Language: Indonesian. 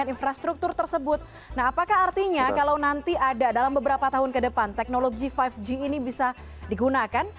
nah apakah artinya kalau nanti ada dalam beberapa tahun ke depan teknologi lima g ini bisa digunakan